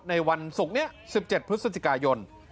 ในวันศุกร์นี้๑๗พฤศจิกายน